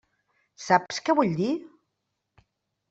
Saps què vull dir?